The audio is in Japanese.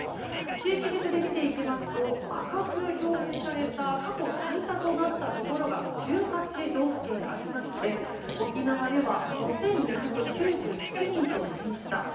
地域別で見ていきますと赤く表示された過去最多となったところが１８道府県ありまして沖縄では５２９７人となりました。